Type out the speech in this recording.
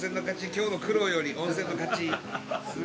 今日の苦労より温泉の勝ち。